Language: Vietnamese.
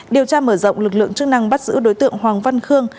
điều tra mở rộng lực lượng chức năng bắt giữ đối tượng hoàng văn khương